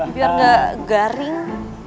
biar gak garing